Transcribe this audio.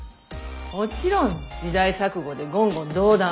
もちろん時代錯誤で言語道断。